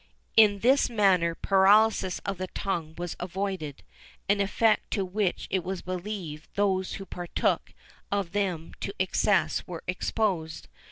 In this manner paralysis of the tongue was avoided an effect to which it was believed those who partook of them to excess were exposed.